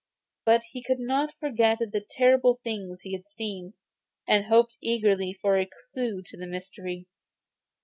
But he could not forget the terrible things he had seen, and hoped eagerly for a clue to the mystery.